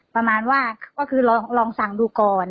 ประมาณว่าก็คือลองสั่งดูก่อน